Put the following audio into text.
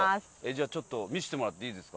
じゃあちょっと見せてもらっていいですか？